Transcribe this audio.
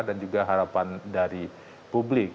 dan juga harapan dari publik